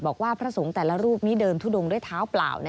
พระสงฆ์แต่ละรูปนี้เดินทุดงด้วยเท้าเปล่า